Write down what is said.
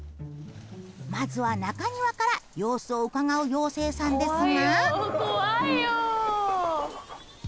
まずは中庭から様子を伺う妖精さんですが。